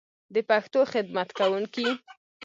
د پښتو خدمت کوونکی